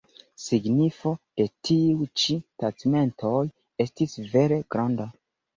Signifo de tiuj ĉi taĉmentoj estis vere granda.